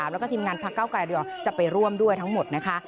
แล้วก็ทีมงานพระเก้าไกลดวงจะไปร่วมด้วยทั้งหมดนะคะ